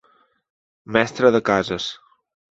Mestre de cases.